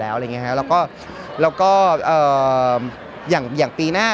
แล้วอะไรอย่างเงี้ยแล้วก็แล้วก็เอ่ออย่างอย่างปีหน้าอะไร